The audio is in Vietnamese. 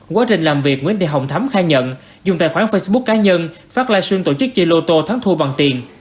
quá trình làm việc nguyễn thị hồng thấm khai nhận dùng tài khoản facebook cá nhân phát livestream tổ chức chơi lô tô thắng thua bằng tiền